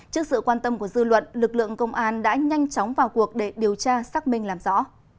trước sự quan tâm của dư luận lực lượng công an đã nhanh chóng vào cuộc để điều tra xác minh làm rõ